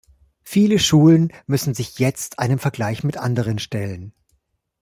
Viele Schulen müssen sich jetzt einem Vergleich mit anderen stellen.